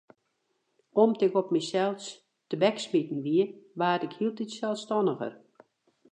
Om't ik op mysels tebeksmiten wie, waard ik hieltyd selsstanniger.